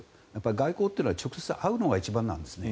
外交っていうのは直接会うのが一番なんですね。